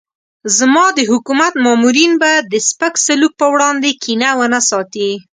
زما د حکومت مامورین به د سپک سلوک پر وړاندې کینه ونه ساتي.